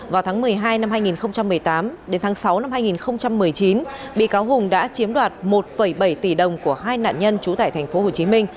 vào tháng một mươi hai năm hai nghìn một mươi tám đến tháng sáu năm hai nghìn một mươi chín bị cáo hùng đã chiếm đoạt một bảy tỷ đồng của hai nạn nhân trú tại tp hcm